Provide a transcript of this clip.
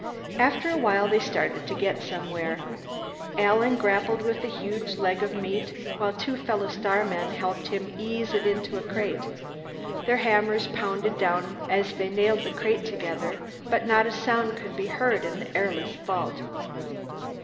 After a while, they started to get somewhere. Alan grappled with a huge leg of meat while two fellow starmen helped him ease it into a crate. Their hammers pounded down as they nailed the crate together, but not a sound could be heard in the airless vault.